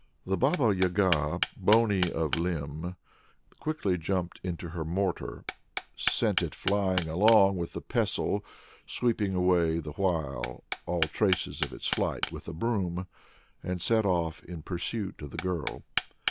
The Baba Yaga, bony of limb, quickly jumped into her mortar, sent it flying along with the pestle, sweeping away the while all traces of its flight with a broom, and set off in pursuit of the girl.